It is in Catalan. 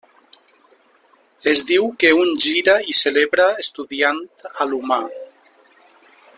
Es diu que un gira i celebra estudiant a l'humà.